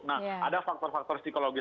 nah ada faktor faktor psikologis